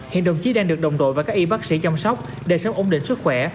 hiện đồng chí đang được đồng đội và các y bác sĩ chăm sóc để sớm ổn định sức khỏe